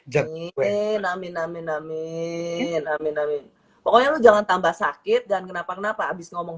jamin amin amin amin amin amin pokoknya jangan tambah sakit dan kenapa kenapa habis ngomong